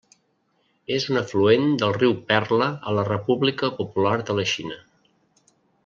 És un afluent del riu Perla a la República Popular de la Xina.